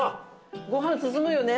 ご飯進むよね。